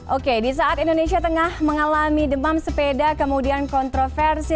oke di saat indonesia tengah mengalami demam sepeda kemudian kontroversi